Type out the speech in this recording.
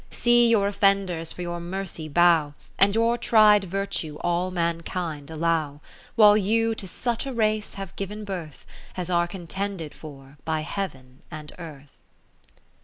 See your offenders for your mercy bow, And your tried virtue all mankind allow ; While you to such a race have given birth, As are contended for by Heaven and Earth.